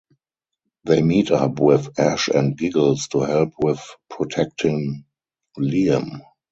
They meet up with Ash and Giggles to help with protecting Liam.